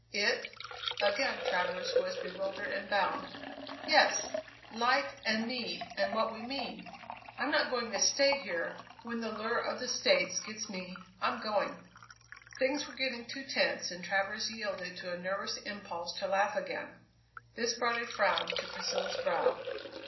"It?" Again Travers was bewildered and bound. "Yes. Life and me and what we mean. I'm not going to stay here; when the lure of the States gets me I'm going!" Things were getting too tense, and Travers yielded to a nervous impulse to laugh again. This brought a frown to Priscilla's brow.